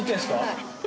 はい。